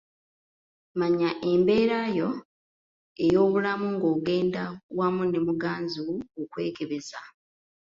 Manya embeera yo ey’obulamu ng’ogenda wamu ne muganzi wo okwekebeza.